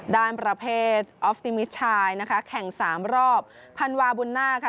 ด้านประเภทนะคะแข่งสามรอบภันวาบุญน่าค่ะ